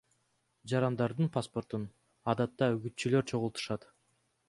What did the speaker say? Жарандардын паспортун адатта үгүтчүлөр чогултушат.